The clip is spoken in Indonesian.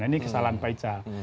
ini kesalahan pak ical